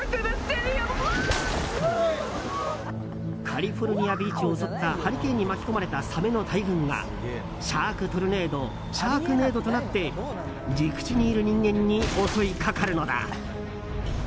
カリフォルニアビーチを襲ったハリケーンに巻き込まれたサメの大群がシャークトルネードシャークネードとなって陸地にいる人間に襲いかかるのだ。